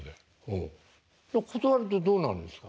断るとどうなるんですか？